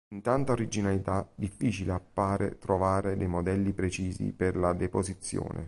In tanta originalità, difficile appare trovare dei modelli precisi per la "Deposizione".